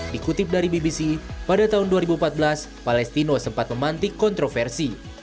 dikutip dari bbc pada tahun dua ribu empat belas palestino sempat memantik kontroversi